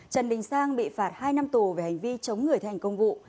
trần đình sang bị phạt hai năm tù về hành vi chống người thành công vụ